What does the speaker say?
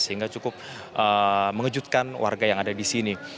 sehingga cukup mengejutkan warga yang ada di sini